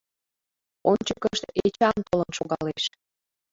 Ончыкышт Эчан толын шогалеш.